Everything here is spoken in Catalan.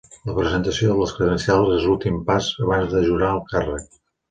La presentació de les credencials és l'últim pas abans de jurar el càrrec